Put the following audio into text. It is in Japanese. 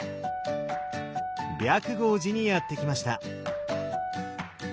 白毫寺にやって来ました。